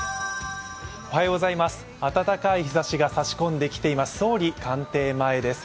暖かい日差しが差し込んできています、総理官邸前です。